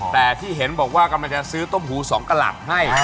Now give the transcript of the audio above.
แต่ที่เห็นบอกว่ากำลังจะซื้อต้มหูสองกระหลัดให้